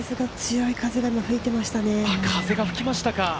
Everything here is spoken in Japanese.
強い風が吹きましたね。